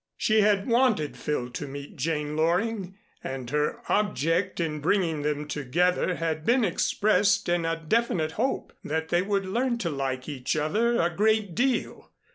She had wanted Phil to meet Jane Loring, and her object in bringing them together had been expressed in a definite hope that they would learn to like each other a great deal.